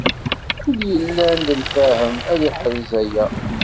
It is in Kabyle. Win yellan d lfahem, ad iḥrez aya.